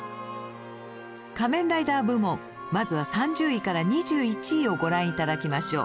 仮面ライダー部門まずは３０位から２１位をご覧頂きましょう。